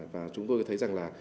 và chúng tôi thấy rằng là